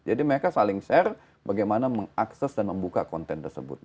jadi mereka saling share bagaimana mengakses dan membuka konten tersebut